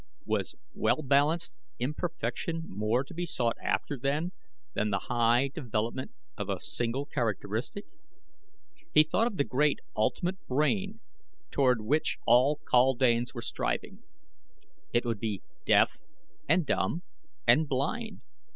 Was well balanced imperfection more to be sought after then, than the high development of a single characteristic? He thought of the great, ultimate brain toward which all kaldanes were striving. It would be deaf, and dumb, and blind.